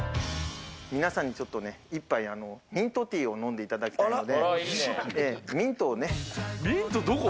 皆さんにちょっとね、１杯、ミントティーを飲んでいただきたいので。